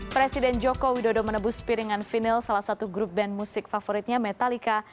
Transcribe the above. presiden jokowi dodo menebus piringan vinyl salah satu grup band musik favoritnya metallica